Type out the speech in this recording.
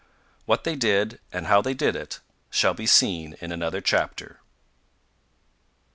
What they did, and how they did it, shall be seen in another chapter.